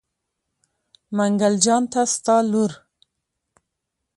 منګل جان ته ستا لور.